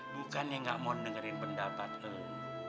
bukannya nggak mau dengerin pendapat roh kan